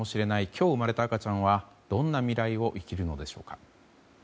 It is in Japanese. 今日生まれた赤ちゃんはどんな未来を生きるのでしょうか。